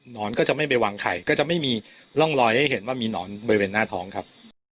นอนก็จะไม่ไปวางไข่ก็จะไม่มีร่องรอยให้เห็นว่ามีหนอนบริเวณหน้าท้องครับ